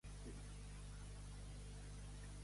Ser el que portà el pessic al món.